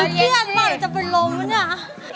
หนูเคี้ยนว่าหนูจะไปลงหรือเนี่ย